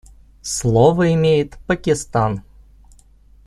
Слово имеет Пакистан.